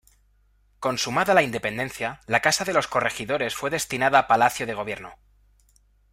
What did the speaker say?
Consumada la Independencia, la Casa de los Corregidores fue destinada a Palacio de Gobierno.